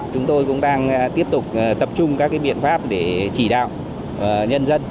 chúng tôi cũng đang tiếp tục tập trung các biện pháp để chỉ đạo nhân dân